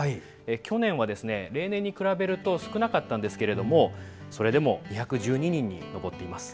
去年は例年に比べると少なかったんですがそれでも２１２人に上っています。